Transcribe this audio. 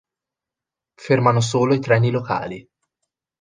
Fermano solo i treni locali.